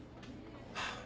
ハァ。